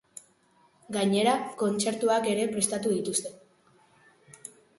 Gainera, kontzertuak ere prestatu dituzte.